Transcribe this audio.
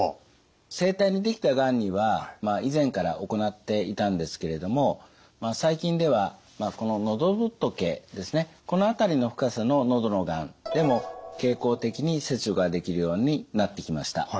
声帯にできたがんには以前から行っていたんですけれども最近ではこの喉仏ですねこの辺りの深さの喉のがんでも経口的に切除ができるようになってきました。